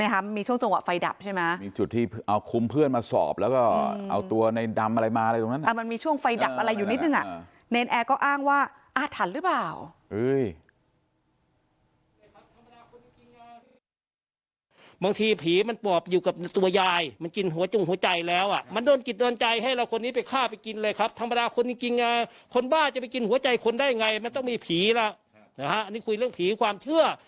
หัวใจคนได้ไงมันต้องมีผีล่ะอันนี้คุยเรื่องผีความเชื่อ